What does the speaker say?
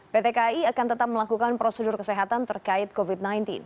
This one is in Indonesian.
pt kai akan tetap melakukan prosedur kesehatan terkait covid sembilan belas